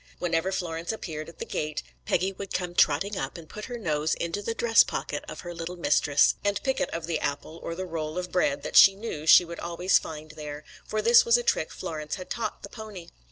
Whenever Florence appeared at the gate, Peggy would come trotting up and put her nose into the dress pocket of her little mistress, and pick it of the apple or the roll of bread that she knew she would always find there, for this was a trick Florence had taught the pony.